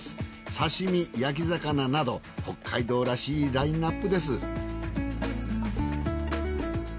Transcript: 刺身焼き魚など北海道らしいラインアップです。